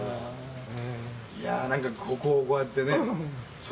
いや何かここをこうやってね。